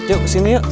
yuk sini yuk